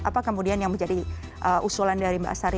apa kemudian yang menjadi usulan dari mbak sari